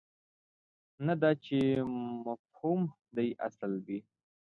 نه دا چې مفهوم دې اصل وي.